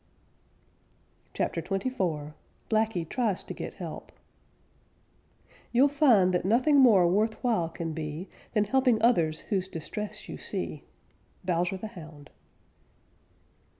CHAPTER XXIV BLACKY TRIES TO GET HELP You'll find that nothing more worth while can be Than helping others whose distress you see. _Bowser the Hound.